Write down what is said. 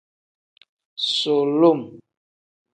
Sulum.